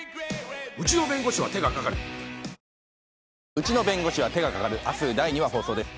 『うちの弁護士は手がかかる』明日第２話放送です。